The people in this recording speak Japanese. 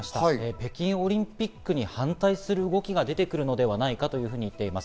北京オリンピックに反対する動きが出てくるのではないかといっています。